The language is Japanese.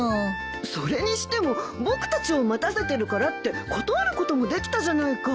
それにしても僕たちを待たせてるからって断ることもできたじゃないか。